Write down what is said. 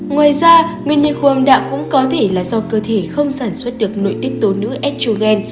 ngoài ra nguyên nhân khuôn âm đạo cũng có thể là do cơ thể không sản xuất được nội tiết tố nữ ethugen